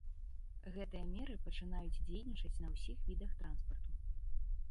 Гэтыя меры пачынаюць дзейнічаць на ўсіх відах транспарту.